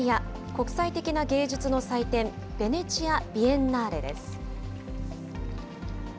国際的な芸術の祭典、ベネチア・ビエンナーレです。